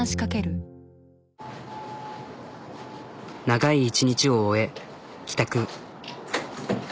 長い１日を終え帰宅。